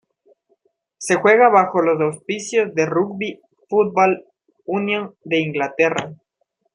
Se juega bajo los auspicios de la Rugby Football Union de Inglaterra.